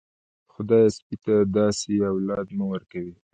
خدايه سپي ته داسې اولاد مه ورکوې.